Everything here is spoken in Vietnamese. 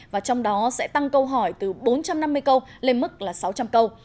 và trong đó sẽ tăng câu hỏi từ bốn trăm năm mươi câu lên mức là sáu trăm linh câu